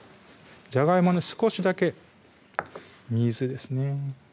じゃがいもに少しだけ水ですね